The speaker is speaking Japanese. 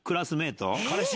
彼氏？